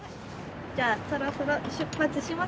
じゃあそろそろ出発しますね。